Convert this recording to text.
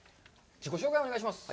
自己紹介、お願いします。